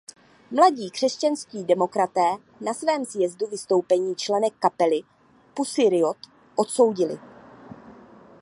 Mladí křesťanští demokraté na svém sjezdu vystoupení členek kapely Pussy Riot odsoudili.